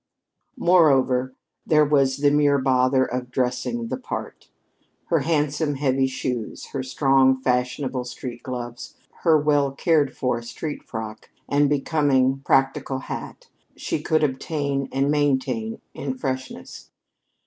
Moreover, there was the mere bother of "dressing the part." Her handsome heavy shoes, her strong, fashionable street gloves, her well cared for street frock, and becoming, practical hat she could obtain and maintain in freshness.